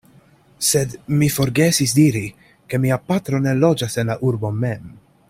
Sed mi forgesis diri, ke mia patro ne loĝas en la urbo mem.